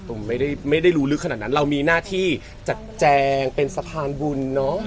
ผมไม่ได้รู้ลึกขนาดนั้นเรามีหน้าที่จัดแจงเป็นสะพานบุญเนอะ